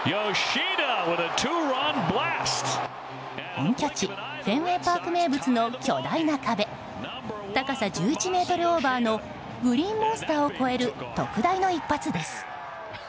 本拠地フェンウェイパーク名物の巨大な壁、高さ１１ｍオーバーのグリーンモンスターを越える特大の一発です。